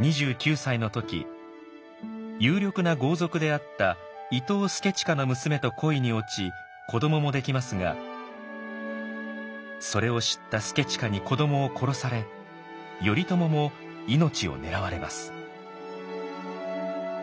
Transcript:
２９歳の時有力な豪族であった伊東祐親の娘と恋に落ち子どももできますがそれを知った祐親に子どもを殺され頼朝も命を狙われます。